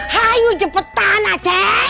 hayu cepetan ah ceng